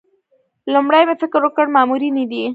لومړی مې فکر وکړ مامورینې دي.